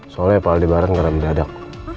soalnya pak aldebaran gak ramai dadak